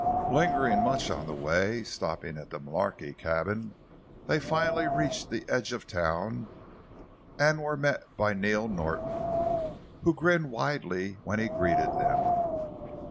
Lingering much on the way, and stopping at the Mullarky cabin, they finally reached the edge of town and were met by Neil Norton, who grinned widely when he greeted them.